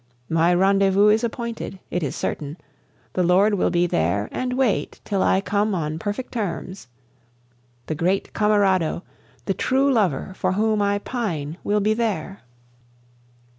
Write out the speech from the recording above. My rendezvous is appointed, it is certain, The Lord will be there and wait till I come on perfect terms. The great Camerado, the lover true for whom I pine will be there.